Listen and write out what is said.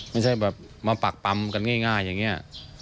ไม่ใช่แบบมาปักปำกันง่ายอย่างนี้